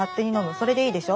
それでいいでしょ？